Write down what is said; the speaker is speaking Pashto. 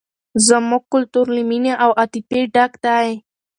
زموږ کلتور له مینې او عاطفې ډک دی.